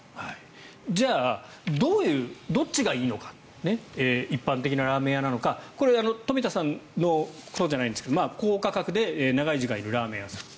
じゃあどっちがいいのか一般的なラーメン屋なのかこれはとみ田さんのことじゃないんですけど高価格で長い時間いるラーメン屋さん。